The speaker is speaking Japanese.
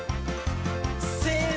せの！